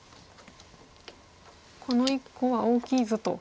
この１個は大きいぞと。